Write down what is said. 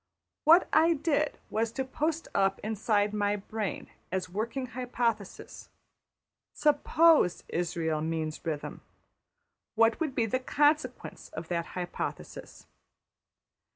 What I did was to post up inside my brain as a working hypothesis: ``\emph{Suppose} Israël means rhythm, what would be the consequence of that hypothesis?''